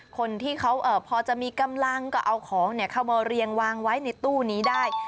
คนที่เขาพอจะมีกำลังก็เอาของเข้ามาเรียงวางไว้ในตู้นี้ได้